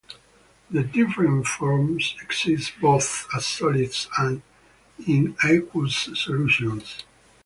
The different forms exist both as solids, and in aqueous solutions.